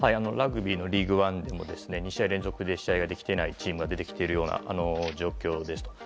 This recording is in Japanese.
ラグビーのリーグワンでも２試合連続で試合ができてないチームが出ている状況です。